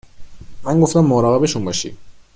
من گفتم مراقبشون باشی